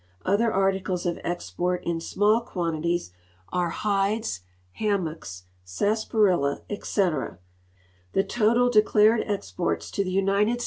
Other articles of export in small (inantilies are hides, ham mocks, sarsaparilla, etc. The total <h;clared exixndsto the rnited